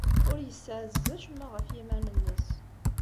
Ur yessaɛzez acemma ɣef yiman-nnes.